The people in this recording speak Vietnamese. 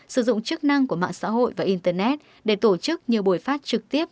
sử dụng chức năng của mạng xã hội và internet để tổ chức nhiều buổi phát trực tiếp